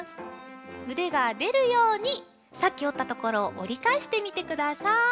うでがでるようにさっきおったところをおりかえしてみてください。